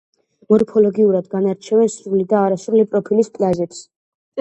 მორფოლოგიურად განარჩევენ სრული და არასრული პროფილის პლაჟებს.